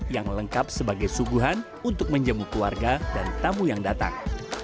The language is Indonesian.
yang lengkap sebagai suguhan untuk menjemuk keluarga dan tamu yang datang